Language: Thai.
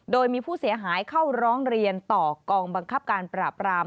โดยมีผู้เสียหายเข้าร้องเรียนต่อกองบังคับการปราบราม